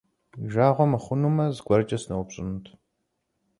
Уи жагъуэ мыхъунумэ, зыгуэркӀэ сыноупщӀынут.